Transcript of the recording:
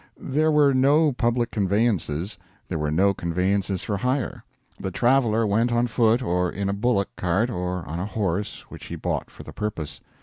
There were no public conveyances. There were no conveyances for hire. The traveler went on foot or in a bullock cart or on a horse which he bought for the purpose.